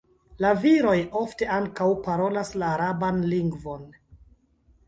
La viroj ofte ankaŭ parolas la araban lingvon.